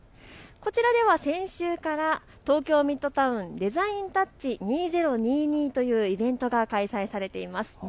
こちらでは先週から東京ミッドタウンデザインタッチ２０２２というイベントが開催されています。